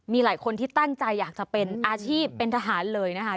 มีหลายคนที่ตั้งใจอยากจะเป็นอาชีพเป็นทหารเลยนะคะ